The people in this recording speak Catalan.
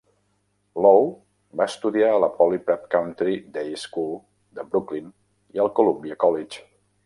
Low va estudiar a la Poly Prep Country Day School de Brooklyn i al Columbia College.